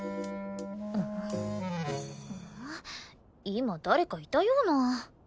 今誰かいたような。